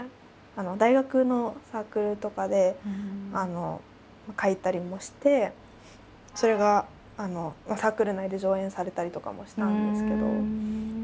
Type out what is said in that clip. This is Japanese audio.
大学のサークルとかで書いたりもしてそれがサークル内で上演されたりとかもしたんですけど。